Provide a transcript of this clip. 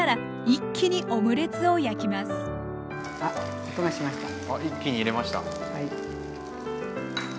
一気に入れました。